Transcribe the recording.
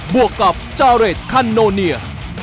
วกกับจาเรดคันโนเนีย